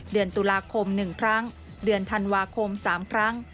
เดือนตุลาคม๑ครั้งเดือนธันวาคม๓ครั้ง